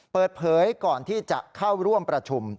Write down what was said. เปิดเผยก่อนที่จะเข้าร่วมประชุม